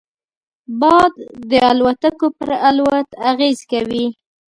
باد د الوتکو پر الوت اغېز کوي